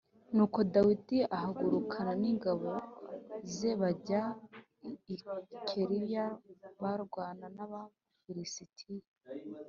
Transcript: Nuko Dawidi ahagurukana n’ingabo ze bajya i Keyila barwana n’Abafilisitiya